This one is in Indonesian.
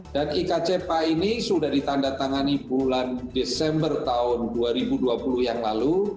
dan ikcepa ini sudah ditandatangani bulan desember tahun dua ribu dua puluh yang lalu